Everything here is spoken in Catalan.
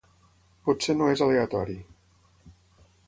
Potser no és aleatori.